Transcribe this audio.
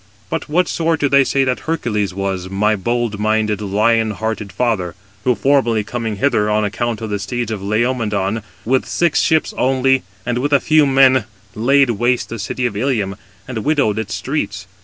But what sort do they say that Hercules was, my bold minded, lion hearted father? who formerly coming hither, on account of the steeds of Laomedon, with six ships only, and with a few men, laid waste the city of Ilium, and widowed its streets.